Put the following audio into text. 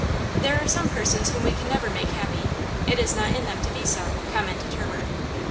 "There are some persons whom we can never make happy. It is not in them to be so," commented Herbert.